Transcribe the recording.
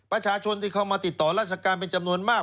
ประชาชนที่เข้ามาติดต่อราชการเป็นจำนวนมาก